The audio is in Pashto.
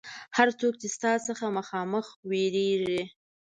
هر څوک چې ستا څخه مخامخ وېرېږي.